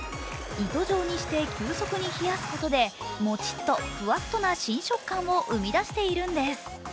糸状にして急速に冷やすことでモチッとフワッとな新食感を生み出しているんです。